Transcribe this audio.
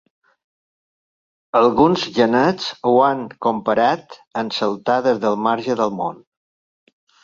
Alguns genets ho han comparat amb saltar des del marge del món.